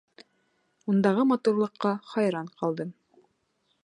Ундағы матурлыҡҡа хайран ҡалдым.